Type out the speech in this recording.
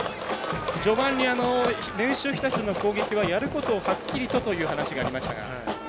序盤に、明秀日立の攻撃はやることをはっきりとという話がありましたが。